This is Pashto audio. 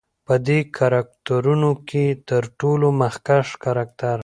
په دې کرکترونو کې تر ټولو مخکښ کرکتر